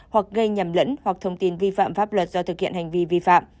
hoặc gây nhầm lẫn hoặc thông tin vi phạm pháp luật do thực hiện hành vi vi phạm